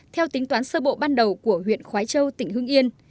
theo tính toán sơ bộ ban đầu của huyện khói châu tỉnh hương yên